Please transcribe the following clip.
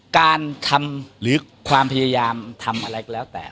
การทำหรือความพยายามทำอะไรก็แล้วแต่